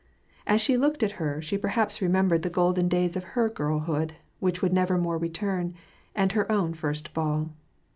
As she looked at her, she perhaps remembered the golden days of her girlhood, which would never more return, and her own first ball.